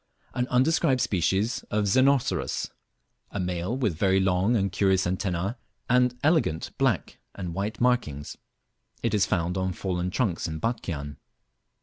An undescribed species of Xenocerus; a male, with very long and curious antenna, and elegant black and white markings. It is found on fallen trunks in Batchian.